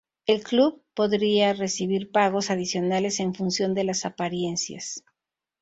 El club podría recibir pagos adicionales en función de las apariencias.